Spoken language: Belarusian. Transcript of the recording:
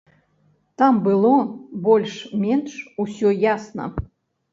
Там было больш-менш усё ясна.